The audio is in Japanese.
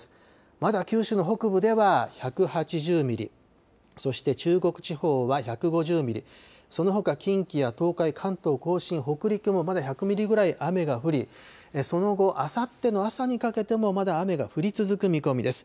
まだ九州の北部では１８０ミリ、そして中国地方は１５０ミリ、そのほか近畿や東海、関東甲信、北陸もまだ１００ミリぐらい雨が降り、その後、あさっての朝にかけてもまだ雨が降り続く見込みです。